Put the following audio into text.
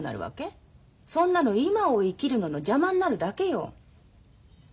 そんなの今を生きるのの邪魔になるだけよ。